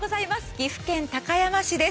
岐阜県高山市です。